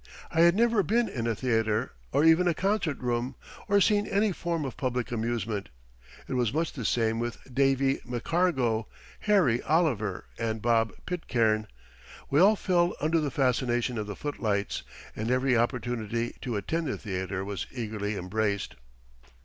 I had never been in a theater, or even a concert room, or seen any form of public amusement. It was much the same with "Davy" McCargo, "Harry" Oliver, and "Bob" Pitcairn. We all fell under the fascination of the footlights, and every opportunity to attend the theater was eagerly embraced.